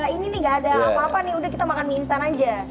ini nih gak ada apa apa nih udah kita makan mie instan aja